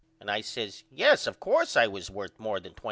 And I says Yes of coarse I was worth more than $2800.